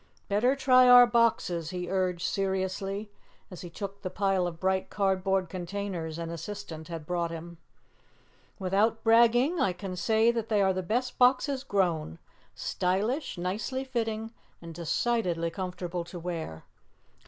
"Better try our boxes," he urged seriously, as he took the pile of bright cardboard containers an assistant had brought him. "Without bragging, I can say that they are the best boxes grown stylish, nicely fitting and decidedly comfortable to wear."